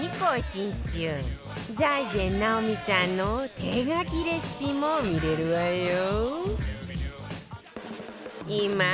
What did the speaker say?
財前直見さんの手書きレシピも見れるわよ